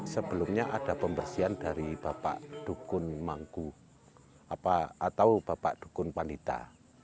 sebelumnya ada pembersihan dari bapak dukun mangku atau bapak dukun panita